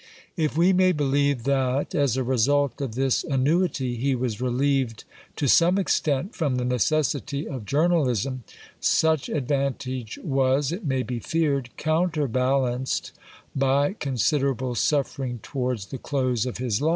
If we may believe that, as a result of this annuity, he was relieved to some extent from the necessity of journalism, such advantage was, it may be feared, counterbalanced by con siderable suffering towards the close of his life.